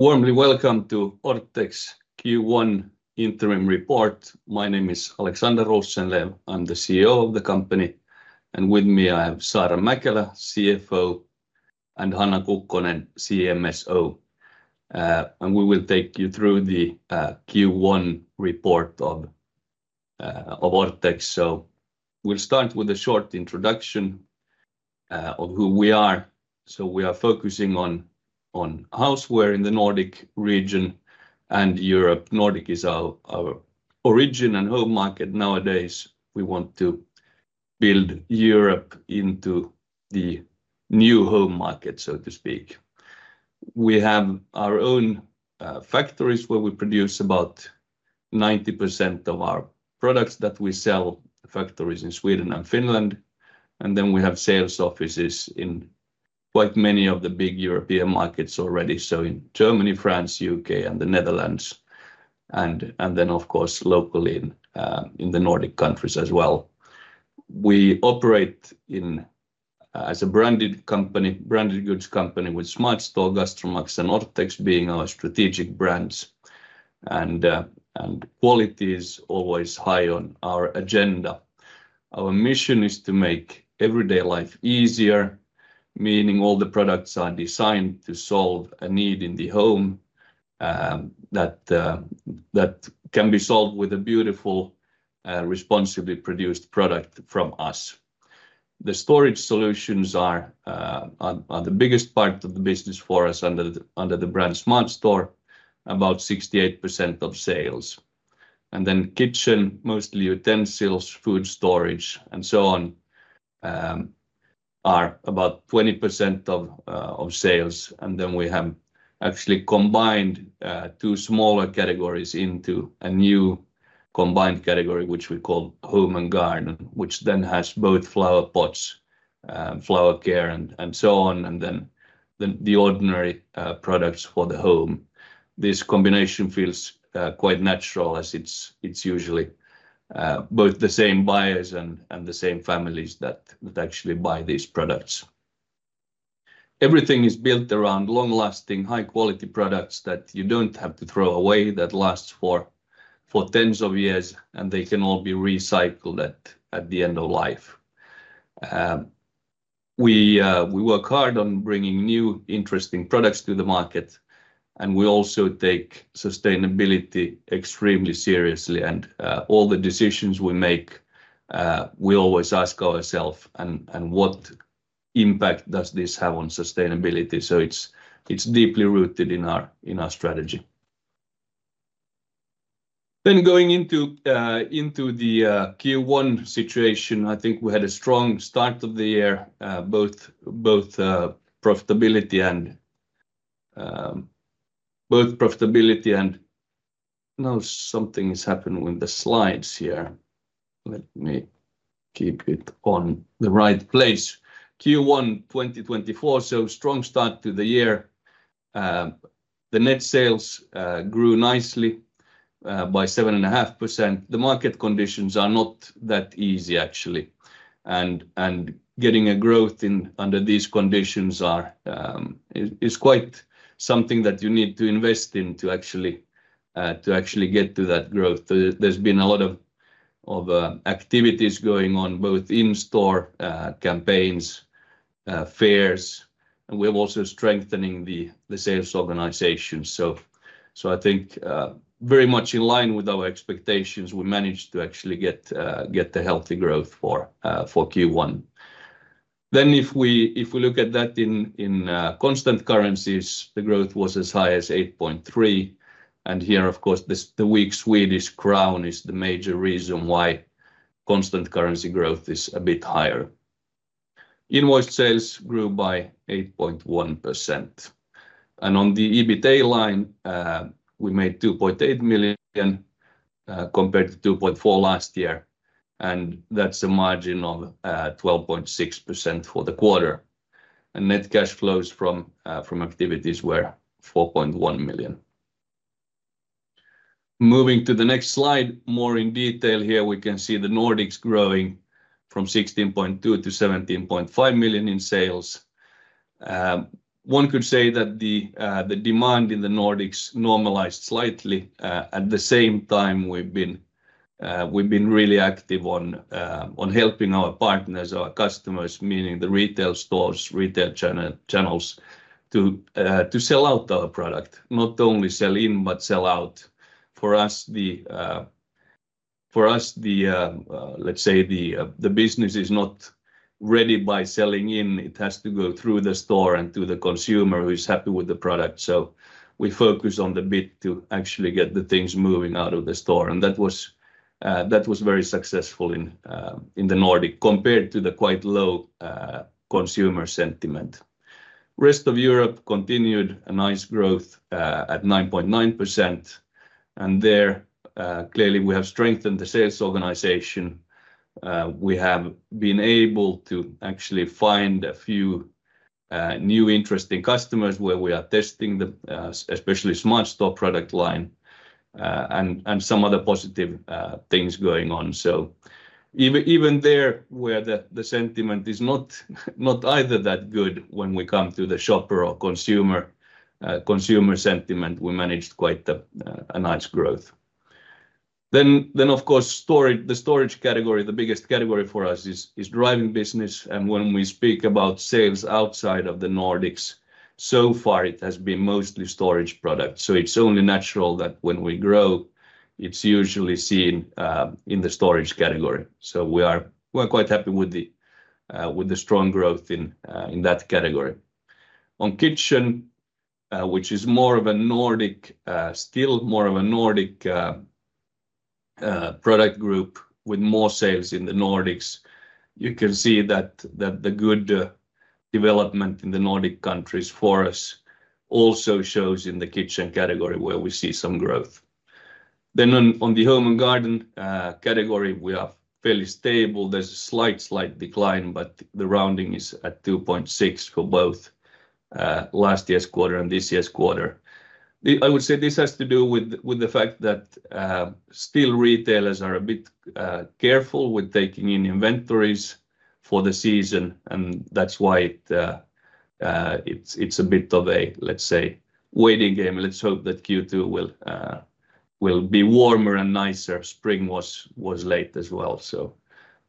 Warmly welcome to Orthex Q1 Interim report. My name is Alexander Rosenlew. I'm the CEO of the company, and with me, I have Saara Mäkelä, CFO, and Hanna Kukkonen, CMSO. And we will take you through the Q1 report of Orthex. So we'll start with a short introduction of who we are. So we are focusing on houseware in the Nordic region and Europe. Nordic is our origin and home market. Nowadays, we want to build Europe into the new home market, so to speak. We have our own factories, where we produce about 90% of our products that we sell, factories in Sweden and Finland. And then we have sales offices in quite many of the big European markets already, so in Germany, France, U.K., and the Netherlands, and then, of course, locally in the Nordic countries as well. We operate as a branded company, branded goods company with SmartStore, GastroMax, and Orthex being our strategic brands. And quality is always high on our agenda. Our mission is to make everyday life easier, meaning all the products are designed to solve a need in the home, that can be solved with a beautiful, responsibly produced product from us. The storage solutions are the biggest part of the business for us under the brand SmartStore, about 68% of sales. And then kitchen, mostly utensils, food storage, and so on, are about 20% of sales. And then we have actually combined two smaller categories into a new combined category, which we call home and garden, which then has both flower pots, flower care, and so on, and then the ordinary products for the home. This combination feels quite natural as it's usually both the same buyers and the same families that actually buy these products. Everything is built around long-lasting, high-quality products that you don't have to throw away, that lasts for tens of years, and they can all be recycled at the end of life. We work hard on bringing new, interesting products to the market, and we also take sustainability extremely seriously. All the decisions we make, we always ask ourselves, "And what impact does this have on sustainability?" So it's deeply rooted in our strategy. Then going into the Q1 situation, I think we had a strong start to the year, both profitability and... Both profitability and... Now something has happened with the slides here. Let me keep it on the right place. Q1 2024, so strong start to the year. The net sales grew nicely by 7.5%. The market conditions are not that easy, actually, and getting a growth in under these conditions is quite something that you need to invest in to actually get to that growth. There's been a lot of activities going on, both in-store campaigns, fairs, and we're also strengthening the sales organization. So I think very much in line with our expectations, we managed to actually get the healthy growth for Q1. Then if we look at that in constant currencies, the growth was as high as 8.3, and here, of course, this... the weak Swedish crown is the major reason why constant currency growth is a bit higher. Invoiced sales grew by 8.1%, and on the EBITA line, we made 2.8 million compared to 2.4 million last year, and that's a margin of 12.6% for the quarter. And net cash flows from activities were 4.1 million. Moving to the next slide, more in detail here, we can see the Nordics growing from 16.2 million to 17.5 million in sales. One could say that the demand in the Nordics normalized slightly. At the same time, we've been really active on helping our partners, our customers, meaning the retail stores, retail channels, to sell out our product, not only sell in, but sell out. For us, the... for us, the, let's say the business is not ready by selling in. It has to go through the store and to the consumer who is happy with the product. So we focus on the bit to actually get the things moving out of the store, and that was very successful in the Nordic compared to the quite low consumer sentiment. Rest of Europe continued a nice growth at 9.9%, and there, clearly, we have strengthened the sales organization. We have been able to actually find a few new interesting customers where we are testing the especially SmartStore product line and some other positive things going on. So even there, where the sentiment is not either that good when we come to the shopper or consumer consumer sentiment, we managed quite a nice growth. Then of course, storage, the storage category, the biggest category for us is driving business. And when we speak about sales outside of the Nordics, so far it has been mostly storage products. So it's only natural that when we grow, it's usually seen in the storage category. So we're quite happy with the strong growth in that category. On kitchen, which is more of a Nordics, still more of a Nordics product group with more sales in the Nordics, you can see that the good development in the Nordic countries for us also shows in the kitchen category, where we see some growth. Then on the home and garden category, we are fairly stable. There's a slight decline, but the rounding is at 2.6 for both last year's quarter and this year's quarter. The... I would say this has to do with the fact that still retailers are a bit careful with taking in inventories for the season, and that's why it is a bit of a, let's say, waiting game. Let's hope that Q2 will be warmer and nicer. Spring was late as well, so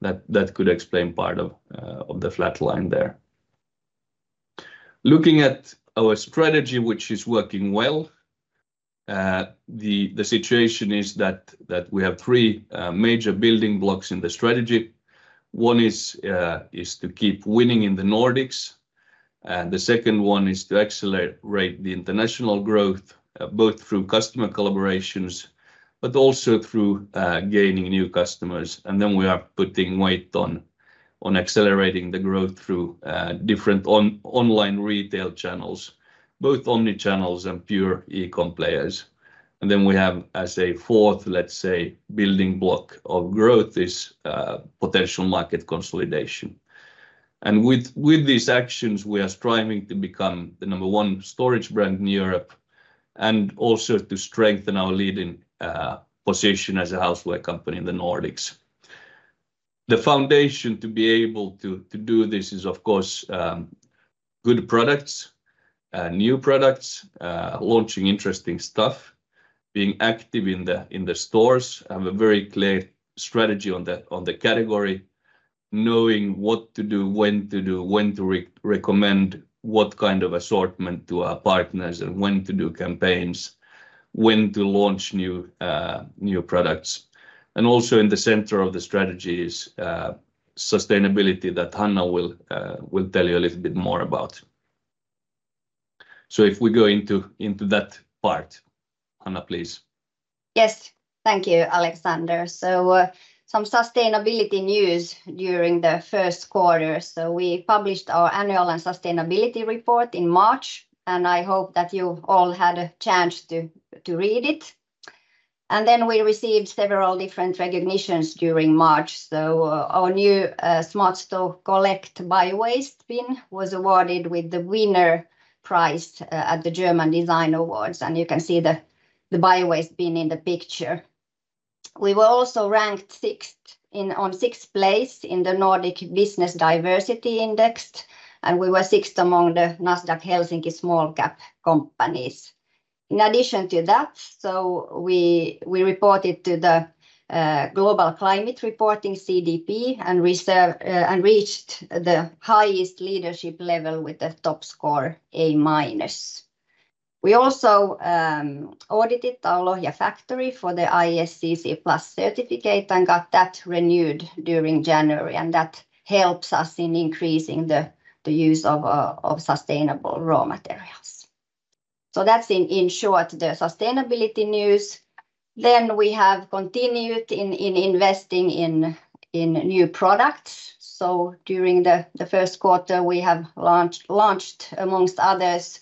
that could explain part of the flatline there. Looking at our strategy, which is working well, the situation is that we have three major building blocks in the strategy. One is to keep winning in the Nordics, and the second one is to accelerate the international growth both through customer collaborations, but also through gaining new customers. Then we are putting weight on accelerating the growth through different online retail channels, both omnichannel and pure e-com players. Then we have as a fourth, let's say, building block of growth potential market consolidation. With these actions, we are striving to become the number one storage brand in Europe and also to strengthen our leading position as a houseware company in the Nordics. The foundation to be able to do this is of course good products, new products, launching interesting stuff, being active in the stores. Have a very clear strategy on the category, knowing what to do, when to do, when to recommend what kind of assortment to our partners, and when to do campaigns, when to launch new products. And also in the center of the strategy is sustainability that Hanna will tell you a little bit more about. So if we go into that part, Hanna, please. Yes. Thank you, Alexander. So, some sustainability news during the first quarter. So we published our annual and sustainability report in March, and I hope that you all had a chance to read it. And then we received several different recognitions during March. So our new SmartStore Collect biowaste bin was awarded with the winner prize at the German Design Awards, and you can see the biowaste bin in the picture. We were also ranked sixth in sixth place in the Nordic Business Diversity Index, and we were sixth among the Nasdaq Helsinki small-cap companies. In addition to that, so we reported to the global climate reporting CDP and reached the highest leadership level with a top score, A-. We also audited our Lohja factory for the ISCC Plus certificate and got that renewed during January, and that helps us in increasing the use of sustainable raw materials. So that's in short the sustainability news. Then we have continued investing in new products. So during the first quarter, we have launched amongst others.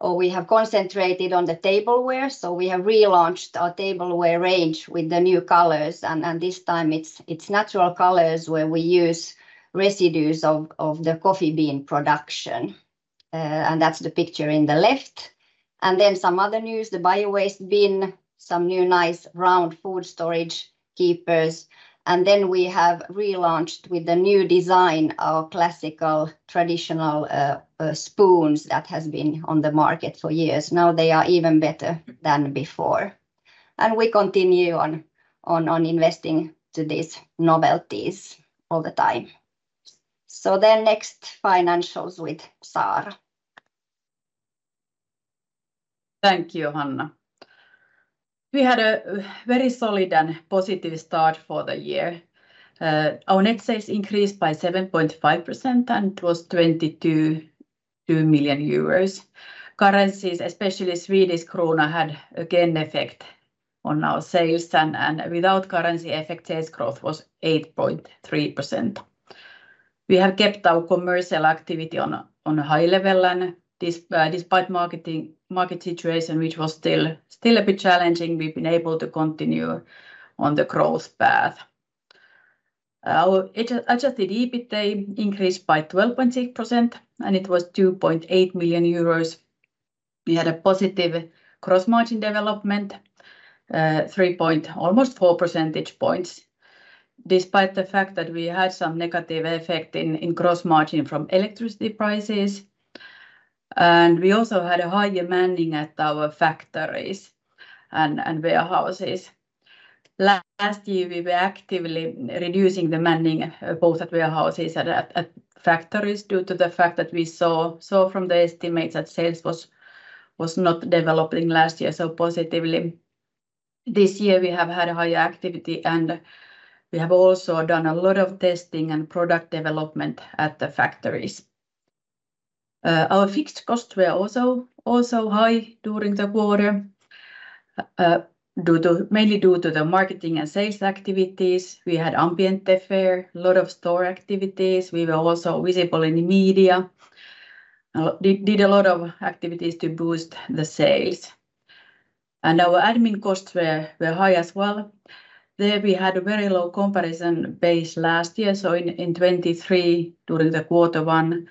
Or we have concentrated on the tableware, so we have relaunched our tableware range with the new colors, and this time it's natural colors, where we use residues of the coffee bean production, and that's the picture on the left. And then some other news, the biowaste bin, some new nice round food storage keepers, and then we have relaunched with the new design, our classical traditional spoons that has been on the market for years. Now they are even better than before, and we continue on investing to these novelties all the time. So then next, financials with Saara. Thank you, Hanna. We had a very solid and positive start for the year. Our net sales increased by 7.5%, and it was 22 million euros. Currencies, especially Swedish krona, had again effect on our sales, and without currency effect, sales growth was 8.3%. We have kept our commercial activity on a high level, and this, despite market situation, which was still a bit challenging, we've been able to continue on the growth path. Our adjusted EBITA increased by 12.6%, and it was 2.8 million euros. We had a positive cross-margin development, 3... almost 4 percentage points, despite the fact that we had some negative effect in gross margin from electricity prices. And we also had a higher manning at our factories and warehouses. Last year, we were actively reducing the manning both at warehouses and at factories due to the fact that we saw from the estimates that sales was not developing last year so positively. This year, we have had a higher activity, and we have also done a lot of testing and product development at the factories. Our fixed costs were also high during the quarter mainly due to the marketing and sales activities. We had Ambiente Fair, a lot of store activities. We were also visible in the media, did a lot of activities to boost the sales. And our admin costs were high as well. There, we had a very low comparison base last year, so in 2023, during quarter one,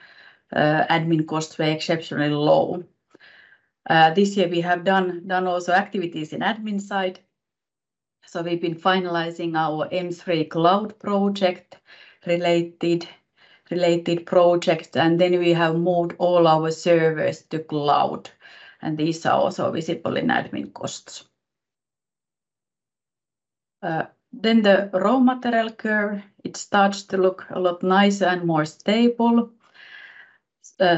admin costs were exceptionally low. This year we have done also activities in admin side, so we've been finalizing our M3 cloud project related projects, and then we have moved all our servers to cloud, and these are also visible in admin costs. Then the raw material curve, it starts to look a lot nicer and more stable.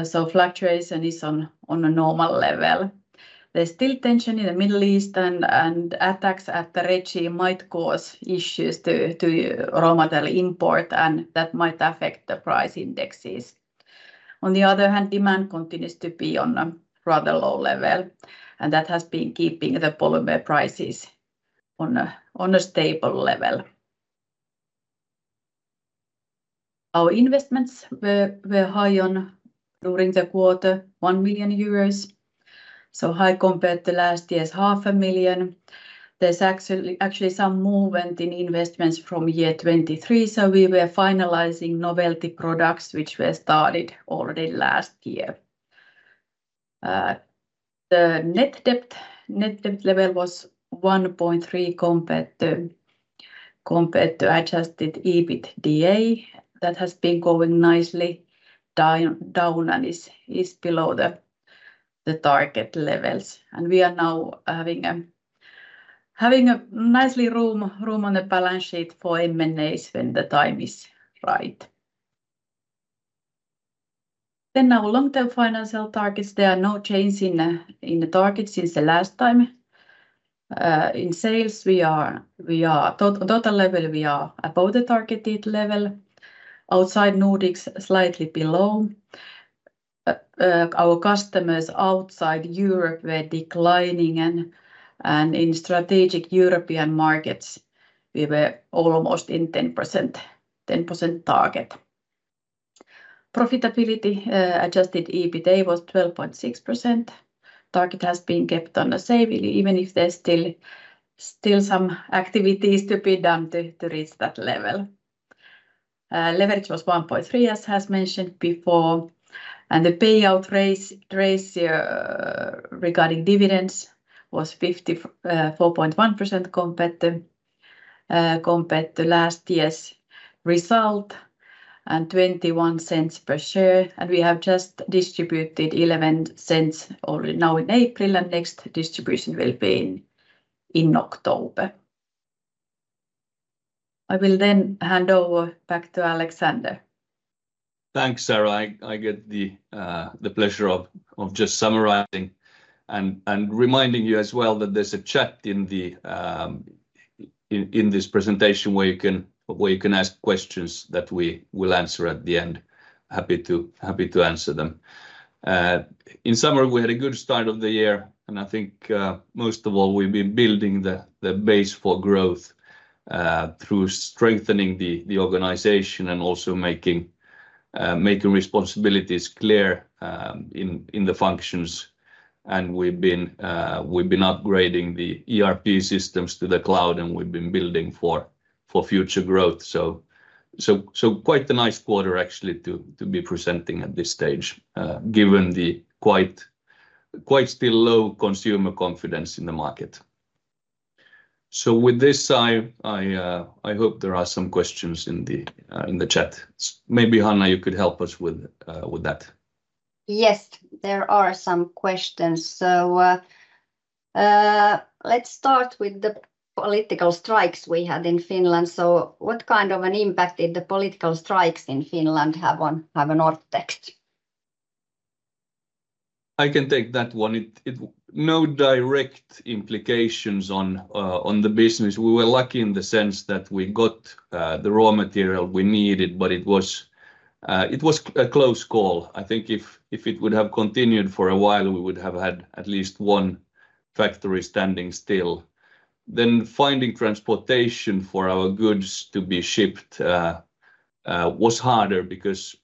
So fluctuation is on a normal level. There's still tension in the Middle East, and attacks at the Red Sea might cause issues to raw material import, and that might affect the price indexes. On the other hand, demand continues to be on a rather low level, and that has been keeping the polymer prices on a stable level. Our investments were high on during the quarter, 1 million euros, so high compared to last year's 500,000. There's actually some movement in investments from year 2023, so we were finalizing novelty products, which were started already last year. The net debt level was 1.3 compared to adjusted EBITDA. That has been going nicely down and is below the target levels. And we are now having a nicely room on the balance sheet for M&As when the time is right. Then our long-term financial targets, there are no change in the targets since the last time. In sales, total level, we are above the targeted level. Outside Nordics, slightly below. Our customers outside Europe were declining, and in strategic European markets, we were almost in 10% target. Profitability, adjusted EBITDA was 12.6%. Target has been kept on the same, even if there's still some activities to be done to reach that level. Leverage was 1.3, as has mentioned before, and the payout ratio regarding dividends was 54.1% compared to last year's result, and 0.21 per share. We have just distributed 0.11 already now in April, and next distribution will be in October. I will then hand over back to Alexander. Thanks, Saara. I get the pleasure of just summarizing and reminding you as well that there's a chat in this presentation where you can ask questions that we will answer at the end. Happy to answer them. In summary, we had a good start of the year, and I think most of all, we've been building the base for growth through strengthening the organization and also making responsibilities clear in the functions. And we've been upgrading the ERP systems to the cloud, and we've been building for future growth. So quite a nice quarter, actually, to be presenting at this stage, given the quite still low consumer confidence in the market. So with this, I hope there are some questions in the chat. Maybe, Hanna, you could help us with that? Yes, there are some questions. So, let's start with the political strikes we had in Finland. So what kind of an impact did the political strikes in Finland have on Orthex? I can take that one. No direct implications on the business. We were lucky in the sense that we got the raw material we needed, but it was a close call. I think if it would have continued for a while, we would have had at least one factory standing still. Then finding transportation for our goods to be shipped was harder because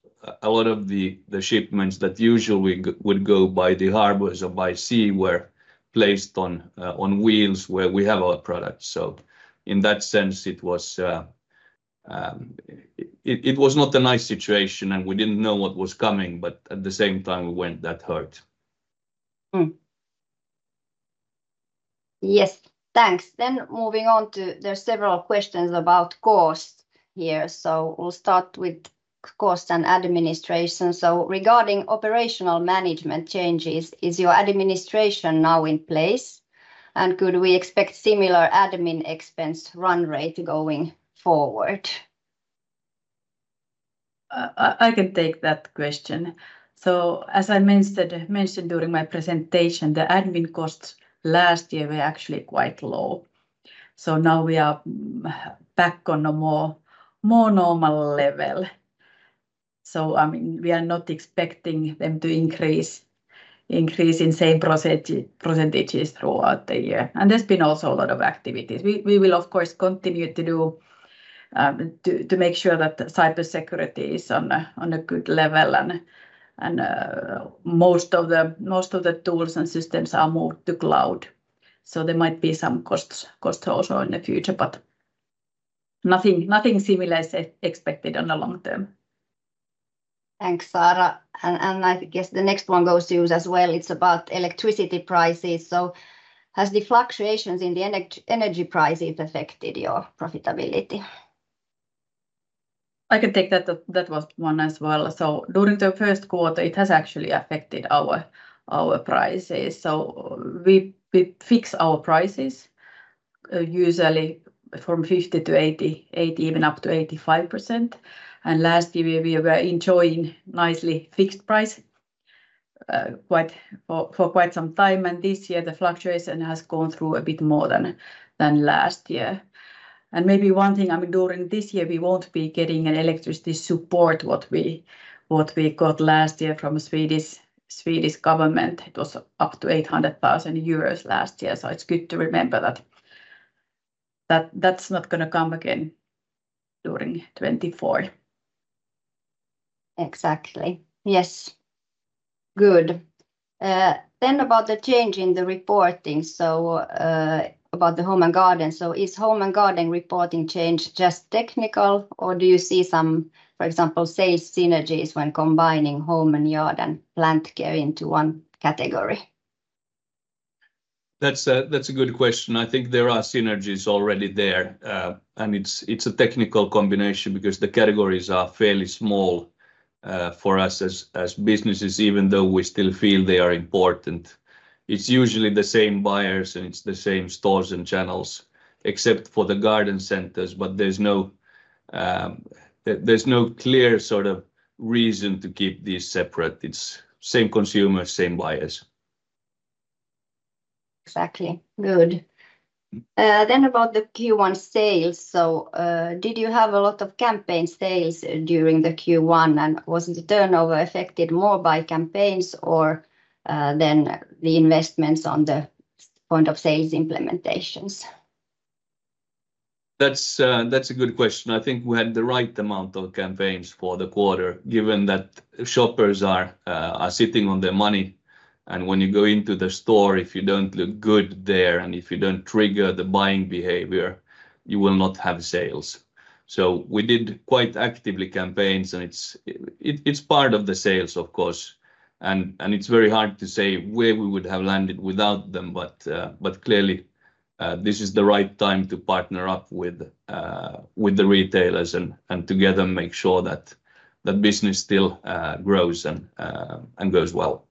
a lot of the shipments that usually would go by the harbors or by sea were placed on wheels, where we have our products. So in that sense, it was not a nice situation, and we didn't know what was coming, but at the same time, we weren't that hurt. Yes, thanks. Then moving on to there are several questions about cost here, so we'll start with cost and administration. So regarding operational management changes, is your administration now in place? And could we expect similar admin expense run rate going forward? I can take that question. So as I mentioned during my presentation, the admin costs last year were actually quite low. So now we are back on a more normal level. So, I mean, we are not expecting them to increase in same percentages throughout the year. And there's been also a lot of activities. We will, of course, continue to do to make sure that the cybersecurity is on a good level, and most of the tools and systems are moved to cloud. So there might be some costs also in the future, but nothing similar is expected on the long term. Thanks, Saara. And I guess the next one goes to you as well. It's about electricity prices. So has the fluctuations in the energy prices affected your profitability? I can take that, that one as well. So during the first quarter, it has actually affected our prices. So we fix our prices usually from 50 to 80, even up to 85%. And last year, we were enjoying nicely fixed price quite some time, and this year the fluctuation has gone through a bit more than last year. And maybe one thing, I mean, during this year, we won't be getting an electricity support what we got last year from Swedish government. It was up to 800,000 euros last year. So it's good to remember that that's not gonna come again during 2024. Exactly. Yes. Good. Then about the change in the reporting, so, about the home and garden. So is home and garden reporting change just technical, or do you see some, for example, sales synergies when combining home and yard and plant care into one category? That's a good question. I think there are synergies already there, and it's a technical combination because the categories are fairly small, for us as businesses, even though we still feel they are important. It's usually the same buyers, and it's the same stores and channels, except for the garden centers, but there's no clear sort of reason to keep these separate. It's same consumer, same buyers. Exactly. Good. Mm. Then, about the Q1 sales, did you have a lot of campaign sales during the Q1? And was the turnover affected more by campaigns or than the investments on the point of sales implementations? That's a good question. I think we had the right amount of campaigns for the quarter, given that shoppers are sitting on their money, and when you go into the store, if you don't look good there, and if you don't trigger the buying behavior, you will not have sales. So we did quite actively campaigns, and it's part of the sales, of course, and it's very hard to say where we would have landed without them. But clearly, this is the right time to partner up with the retailers and together make sure that the business still grows and goes well.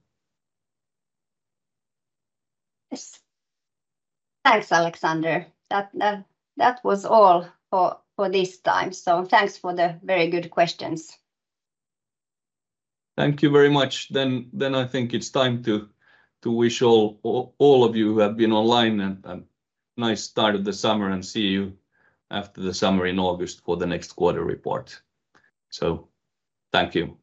Yes. Thanks, Alexander. That was all for this time, so thanks for the very good questions. Thank you very much. Then I think it's time to wish all of you who have been online a nice start of the summer, and see you after the summer in August for the next quarter report. So thank you.